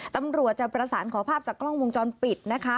ตำรวจจะประสานขอภาพจากกล้องวงจรปิดนะคะ